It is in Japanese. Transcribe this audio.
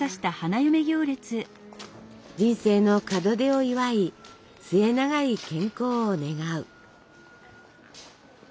人生の門出を祝い末永い健康を願う。